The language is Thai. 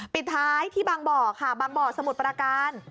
ปิดท้ายที่บางบ่อค่ะบางบ่อสมุทรประการ